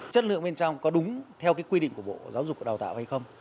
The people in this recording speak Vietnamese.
chất lượng bên trong có đúng theo cái quy định của bộ giáo dục đào tạo hay không